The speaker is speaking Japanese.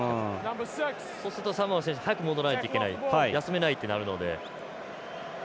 そうするとサモアの選手早くいかないといけない休めないってなるので。